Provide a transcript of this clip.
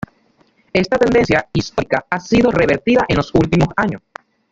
Esta tendencia histórica ha sido revertida en los últimos años.